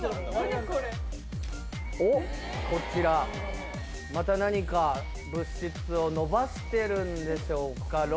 こちら何か物質をのばしてるんでしょうか。